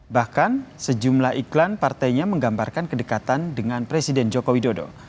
bahkan sejumlah iklan partainya menggambarkan kedekatan dengan presiden joko widodo